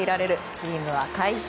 チームは快勝。